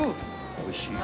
おいしい。